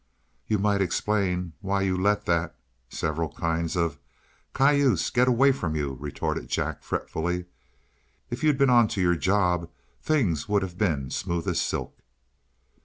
"You might explain why you let that" (several kinds of) "cayuse get away from you!" retorted Jack, fretfully. "If you'd been onto your job, things would have been smooth as silk."